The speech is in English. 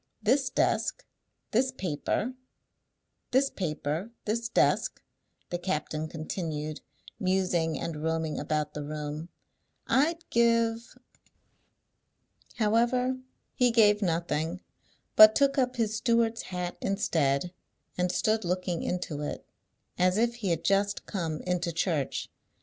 "This desk, this paper, this paper, this desk," the captain continued, musing and roaming about the room, "I'd give " However, he gave nothing, but took up his steward's hat instead, and stood looking into it, as if he had just come into church.